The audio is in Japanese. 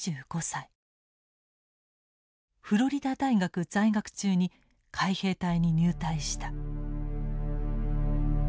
フロリダ大学在学中に海兵隊に入隊した。